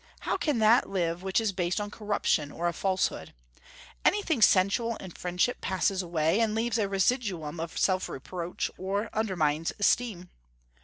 How can that live which is based on corruption or a falsehood? Anything sensual in friendship passes away, and leaves a residuum of self reproach, or undermines esteem.